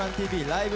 ライブ！」